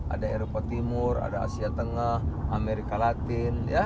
ada eropa timur ada asia tengah amerika latin